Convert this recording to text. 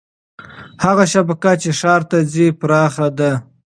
هغه شبکه چې ښار ته ځي پراخه ده.